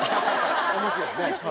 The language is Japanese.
面白いね。